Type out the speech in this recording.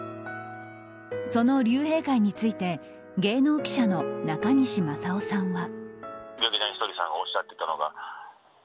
その竜兵会について芸能記者の中西正男さんは。